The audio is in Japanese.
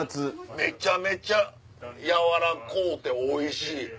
めちゃめちゃやわらこうておいしい！